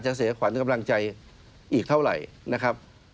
จะเสียขวัญกำลังใจอีกเท่าไหร่